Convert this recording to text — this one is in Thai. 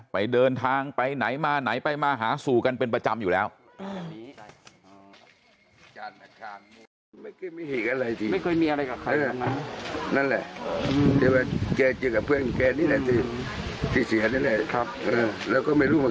ไปเดินทางไปไหนมาไหนไปมาหาสู่กันเป็นประจำอยู่แล้ว